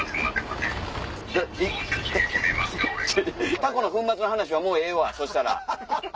タコの粉末の話はもうええわそしたら。